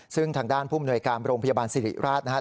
ซึ่งทางด้านผู้มนวยการโรงพยาบาลสิริราชนะครับ